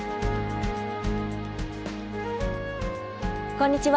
こんにちは。